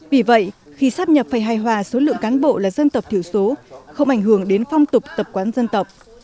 vì vậy khi sáp nhập phải hài hòa số lượng cán bộ là dân tập thiểu số không ảnh hưởng đến phong tục tập quán dân tập